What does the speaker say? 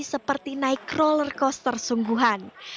seperti naik roller coaster sungguhan